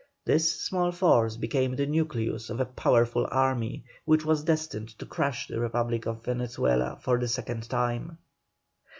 This small force became the nucleus of a powerful army, which was destined to crush the Republic of Venezuela for the second time.